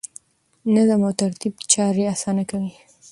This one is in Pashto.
نظم او ترتیب چارې اسانه کوي.